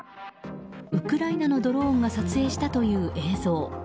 ウクライナのドローンが撮影したという映像。